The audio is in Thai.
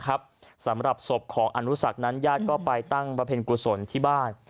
สำหรับศพของอนุสักนั้นญาติก็ไปตั้งบำเพ็ญกุศลที่บ้าน